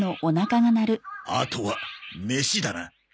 あとは飯だな。